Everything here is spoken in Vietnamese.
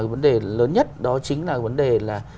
vấn đề lớn nhất đó chính là vấn đề là